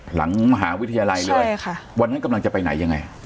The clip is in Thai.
หลังมหาวิทยาลัยเลยใช่ค่ะวันนั้นกำลังจะไปไหนยังไง